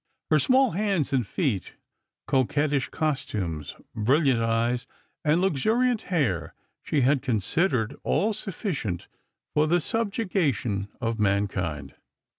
Her small hands and feet, coquettish costumes, brilliant eyes, and luxuriant hair, she con Bidered all sufficient for the subjugation of mankind.